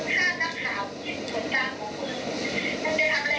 แต่ด่าคนชื่อสุขภาวะนาฬิกุธไม่ได้